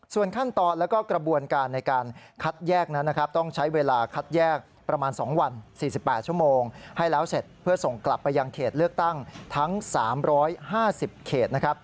ส่วนขั้นตอนแล้วก็กระบวนการในการคัดแยกนั้นนะครับต้องใช้เวลาคัดแยกประมาณ๒วัน๔๘ชั่วโมงให้แล้วเสร็จเพื่อส่งกลับไปยังเขตเลือกตั้งทั้ง๓๕๐เขตนะครับ